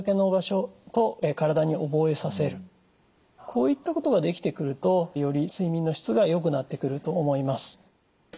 こういったことができてくるとより睡眠の質がよくなってくると思います。